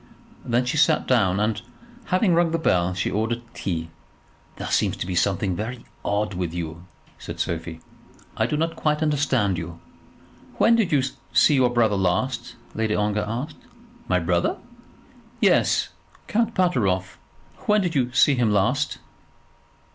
Then she sat down, and, having rung the bell, she ordered tea. "There seems to be something very odd with you," said Sophie. "I do not quite understand you." "When did you see your brother last?" Lady Ongar asked. "My brother?" "Yes, Count Pateroff. When did you see him last?"